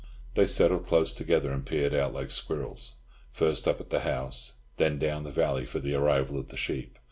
They settled close together and peered out like squirrels, first up at the house, then down the valley for the arrival of the sheep.